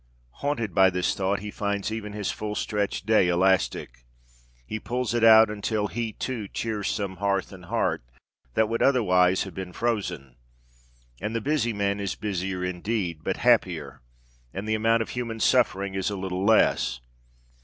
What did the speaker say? Haunted by this thought, he finds even his full stretched day elastic. He pulls it out until he, too, cheers some hearth and heart that would otherwise have been frozen! and the busy man is busier, indeed, but happier, and the amount of human suffering is a little less.